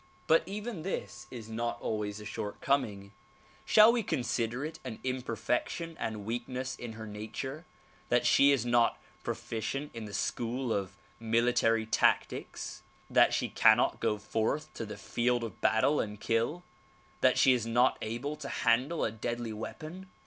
But even this is not always a shortcoming. Shall we consider it an imperfection and weakness in her nature that she is not proficient in the school of military tactics, that she cannot go forth to the field of battle and kill, that she is not able to handle a deadly Aveapon?